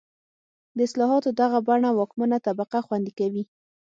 د اصلاحاتو دغه بڼه واکمنه طبقه خوندي کوي.